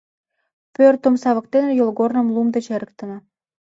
Пӧрт омса воктене йолгорным лум деч эрыктыме.